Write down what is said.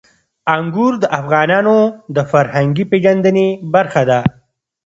انګور د افغانانو د فرهنګي پیژندنې برخه ده.